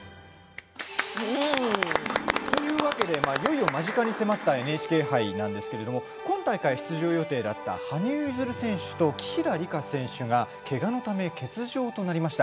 いよいよ間近に迫ったＮＨＫ杯なんですけれども今回、出場予定だった羽生結弦選手と紀平梨花選手がけがのため欠場となりました。